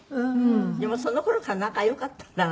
でもその頃から仲良かったのね